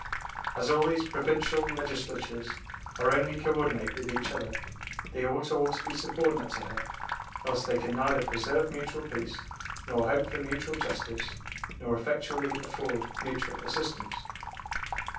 As all these provincial Legislatures are only co ordinate with each other, they ought all to be subordinate to her, else they can neither preserve mutual peace, nor hope for mutual justice, nor effectually afford mutual assistance."